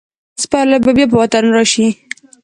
سپرلی به بیا په وطن راشي.